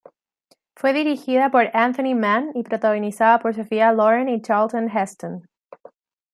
Fue dirigida por Anthony Mann y protagonizada por Sophia Loren y Charlton Heston.